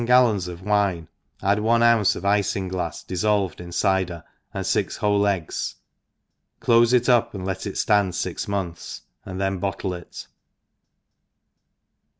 gallons of wine add one ounce of ifinglafs diG lolved in cyder, and fix whole eggs, clofe it up^ and let it iland fix months^ and then bottle it.